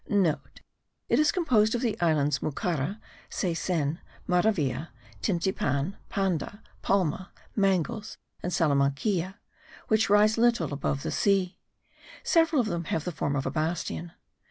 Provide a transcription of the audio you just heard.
(* It is composed of the islands Mucara, Ceycen, Maravilla, Tintipan, Panda, Palma, Mangles, and Salamanquilla, which rise little above the sea. Several of them have the form of a bastion.